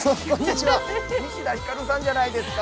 西田ひかるさんじゃないですか。